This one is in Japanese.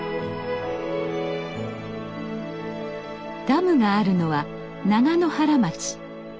ダムがあるのは長野原町。